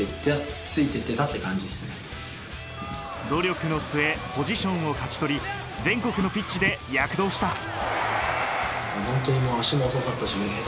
努力の末、ポジションを勝ち取り、全国のピッチで躍動した。